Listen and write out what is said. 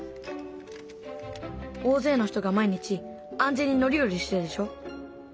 大勢の人が毎日安全に乗り降りしてるでしょ。